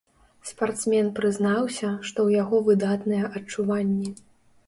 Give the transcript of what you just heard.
Спартсмен прызнаўся, што ў яго выдатныя адчуванні.